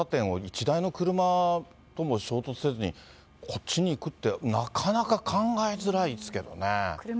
筋の大きな交差点を１台の車も衝突せずに、こっちに行くって、なかなか考えづらいですけどね。